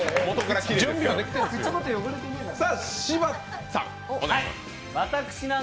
さあ、柴田さん